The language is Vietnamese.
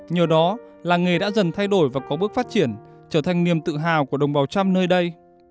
nhờ đó làng nghề đã dần thay đổi và có bước phát triển trở thành niềm tự hào của đồng bào trăm nơi đây